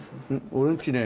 俺んちね